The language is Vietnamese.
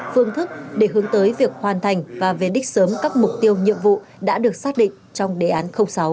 phương thức để hướng tới việc hoàn thành và về đích sớm các mục tiêu nhiệm vụ đã được xác định trong đề án sáu